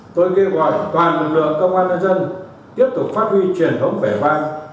tôi kêu gọi toàn lực lượng công an nhân dân tiếp tục phát huy truyền thống vẻ vang